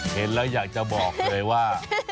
เห็นแล้วอยากจะบอกเลยว่า